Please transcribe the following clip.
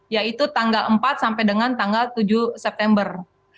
yaitu tanggal empat sampai dengan tanggal tujuh september